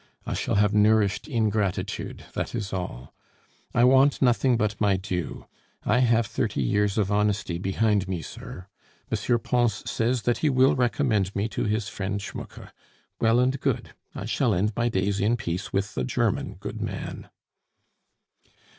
I shall have nourished ingratitude, that is all! I want nothing but my due; I have thirty years of honesty behind me, sir. M. Pons says that he will recommend me to his friend Schmucke; well and good, I shall end my days in peace with the German, good man."